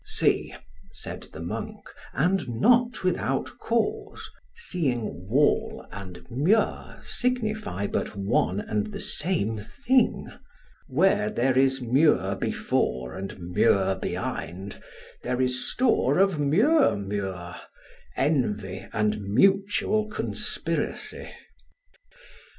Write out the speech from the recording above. See, said the monk, and not without cause (seeing wall and mur signify but one and the same thing); where there is mur before and mur behind, there is store of murmur, envy, and mutual conspiracy.